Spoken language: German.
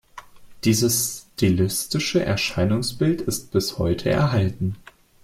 Dieses stilistische Erscheinungsbild ist bis heute erhalten.